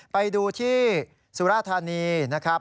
ไปดูที่สุราธานีนะครับ